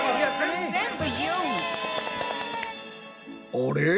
あれ？